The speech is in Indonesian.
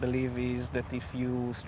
jika anda sangat percaya pada sesuatu